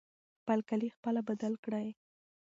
خپل کالي خپله بدل کړئ.